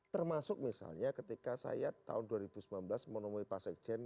termasuk misalnya ketika saya tahun dua ribu sembilan belas menemui pak sekjen